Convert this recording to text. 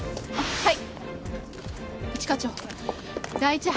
はい。